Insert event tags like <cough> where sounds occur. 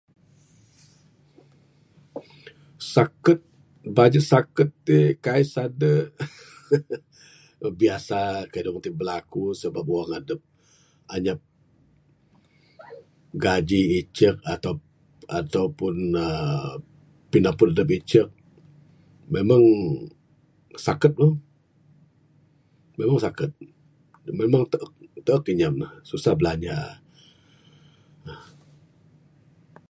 Saket baju saket ti kai sade <laughs> moh biasa keyuh dak mung ti bilaku sebab wang adep anyap gaji icek ataupun aaa pineput dep icek memang saket, memang saket, memang teek, teek inyaman ne susah bilanja.